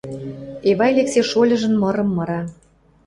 Эвай Лексе шольыжын мырым мыра.